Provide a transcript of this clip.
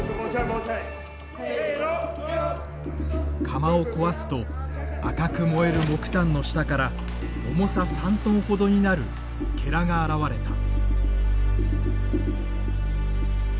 釜を壊すと赤く燃える木炭の下から重さ３トンほどになるが現れた。